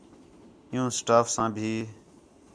عِیّوں سٹاف ساں بھی